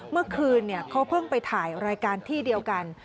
เมื่อคืนเขาเพิ่งไปถ่ายรายการที่เดียวกัน